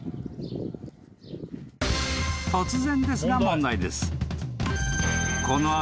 ［突然ですが問題です］